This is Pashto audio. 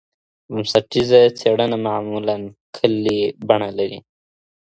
بنسټیزه څېړنه معمولا کلي بڼه لري.